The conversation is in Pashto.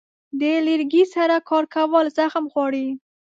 د لرګي سره کار کول زغم غواړي.